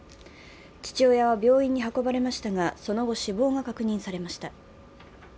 父親は病院に運ばれましたが、その後死亡が確認されました。